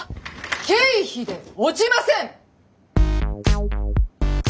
経費で落ちません！